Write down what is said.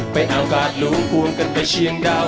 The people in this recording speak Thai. ไปเอากาสลูงพวงกันไปเชียงดาว